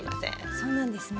そうなんですね。